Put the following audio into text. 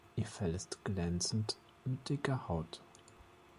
Ihr Fell ist glänzend mit dicker Haut.